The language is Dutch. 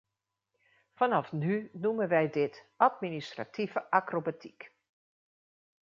Vanaf nu noemen wij dit "administratieve acrobatiek".